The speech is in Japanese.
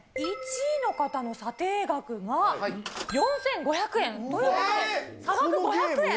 １位の方の査定額が、４５００円。ということで、差額５００円。